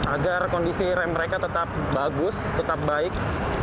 agar kondisi rem mereka tetap bagus tetap baik